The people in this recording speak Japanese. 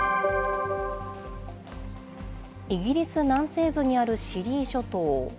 イギリス南西部にあるシリー諸島。